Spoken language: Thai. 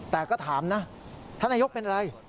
แต่ก็ถามนะท่านนายกเป็นอะไร